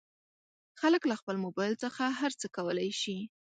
خلک له خپل مبایل څخه هر څه کولی شي.